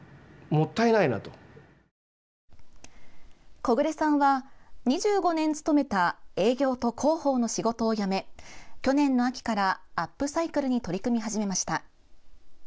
木榑さんは２５年勤めた営業と広報の仕事を辞め去年の秋からアップサイクルに取り組み始めました。